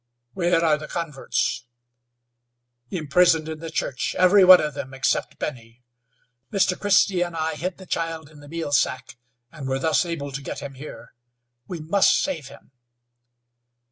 "Where are the converts?" "Imprisoned in the church, every one of them except Benny. Mr. Christy and I hid the child in the meal sack and were thus able to get him here. We must save him."